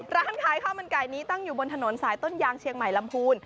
ร้านขายข้าวมันไก่นี้ตั้งอยู่บนถนนสายต้นยางเชียงใหม่ลำพูน